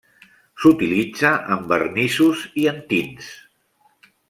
S'utilitza en vernissos i en tints.